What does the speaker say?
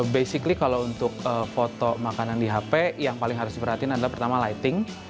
basically kalau untuk foto makanan di hp yang paling harus diperhatikan adalah pertama lighting